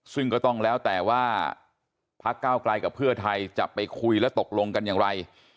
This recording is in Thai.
ซึ่งก็ต้องแล้วแต่ว่าพักเก้าไกลกับเพื่อไทยจะไปคุยและตกลงกันอย่างไร